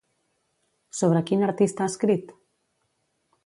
Sobre quin artista ha escrit?